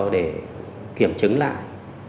để kiểm chứng lại